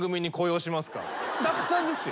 スタッフさんですよ。